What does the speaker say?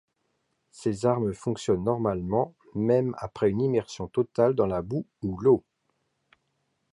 Ces armes fonctionnent normalement même après une immersion totale dans la boue ou l’eau.